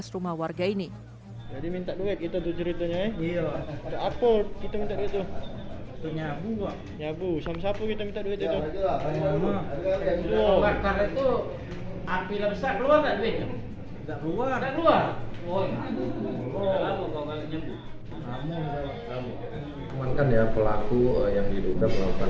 delapan belas rumah warga ini jadi minta duit itu ceritanya itu apa kita minta itu penyambung nyabu sampai